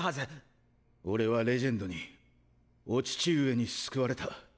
俺はレジェンドにお父上に救われた。